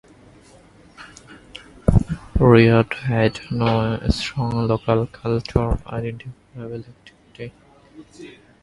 Rhea had "no strong local cult or identifiable activity under her control".